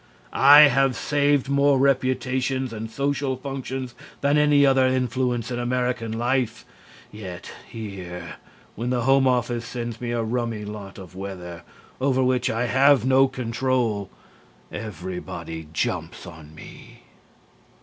"I have saved more reputations and social functions than any other influence in American life, and yet here, when the home office sends me a rummy lot of weather, over which I have no control, everybody jumps on me."